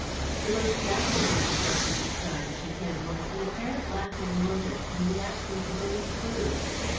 The most baffling aspect of the crime to him was the apparent lack of motive and the absence of any clue.